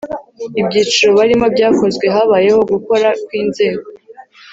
ibyiciro barimo byakozwe habayeho gukoraa kw’inzego